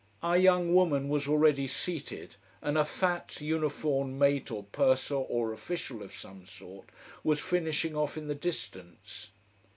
Our young woman was already seated: and a fat uniformed mate or purser or official of some sort was finishing off in the distance.